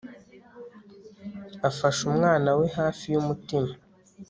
Afashe umwana we hafi yumutima